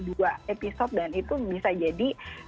dua episode dan itu bisa jadi